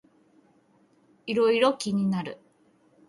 いろいろ気になる